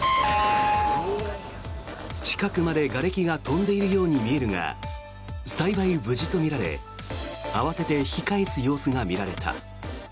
近くまでがれきが飛んでいるように見えるが幸い無事とみられ慌てて引き返す様子が見られた。